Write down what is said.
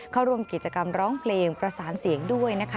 เข้าร่วมกิจกรรมร้องเพลงประสานเสียงด้วยนะคะ